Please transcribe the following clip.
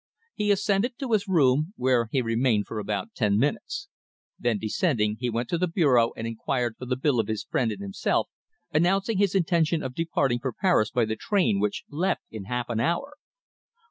He ascended to his room, where he remained for about ten minutes. Then, descending, he went to the bureau and inquired for the bill of his friend and himself, announcing his intention of departing for Paris by the train which left in half an hour!